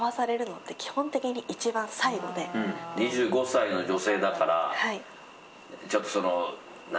２５歳の女性だから。